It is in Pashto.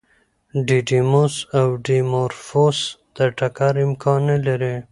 ډیډیموس او ډیمورفوس د ټکر امکان نه لري.